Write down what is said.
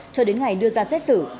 cho đến ngày đưa ra xét xử